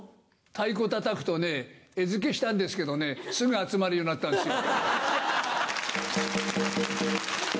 太鼓たたくとね、餌付けしたんですけどね、すぐ集まるようになったんですよ。